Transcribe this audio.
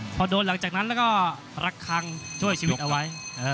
พอโดนหลังจากนั้นแล้วก็รักคังช่วยชีวิตเอาไว้